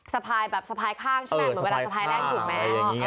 สะพายแบบสะพายข้างใช่ไหมเหมือนเวลาสะพายแรกถูกไหม